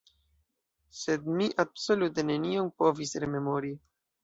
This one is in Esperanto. Sed mi absolute nenion povis rememori.